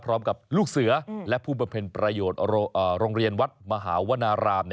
ลูกเสือและผู้บำเพ็ญประโยชน์โรงเรียนวัดมหาวนาราม